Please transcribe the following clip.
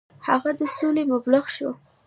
هغه د سولې مبلغ شو.